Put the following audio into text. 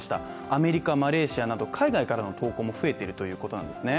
アメリカ、マレーシアなど、海外からの投稿も増えているということなんです。